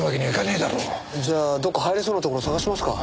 じゃあどこか入れそうなところ探しますか？